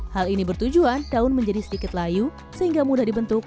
hal ini bertujuan daun menjadi sedikit layu sehingga mudah dibentuk